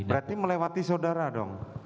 berarti melewati saudara dong